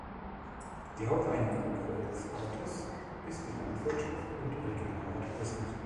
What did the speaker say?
Die Haupteinnahmequelle des Ortes ist die Landwirtschaft und regionaler Tourismus.